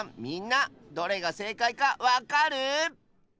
みんなどれがせいかいかわかる？